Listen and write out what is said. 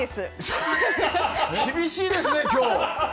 厳しいですね、今日。